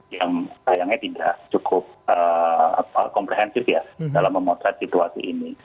yang sayangnya tidak cukup komprehensif ya dalam memotret situasi ini